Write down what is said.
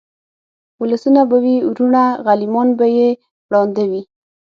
اولسونه به وي وروڼه غلیمان به یې ړانده وي